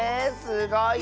すごい！